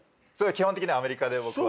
基本的にはアメリカで僕は。